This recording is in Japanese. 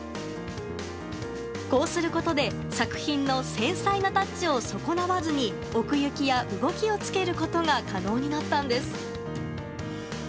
こうすることで作品の繊細なタッチを損なわずに奥行きや動きをつけることが可能になったんです。